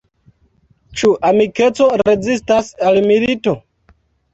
Ĉu amikeco rezistas al milito?